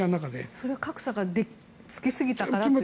それは格差がつきすぎたからという。